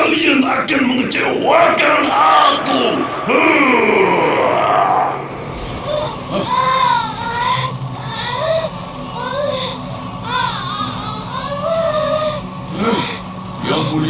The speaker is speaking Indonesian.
saat ini saya sedang bekerja sama dengan reksor kami akan mencari postur yang tujuh